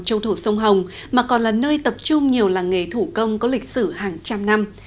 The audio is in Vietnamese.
châu thổ sông hồng mà còn là nơi tập trung nhiều làng nghề thủ công có lịch sử hàng trăm năm